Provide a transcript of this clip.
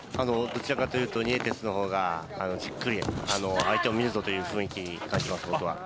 どちらかというとニエテスの方がじっくり相手を見るぞという感じがします、僕は。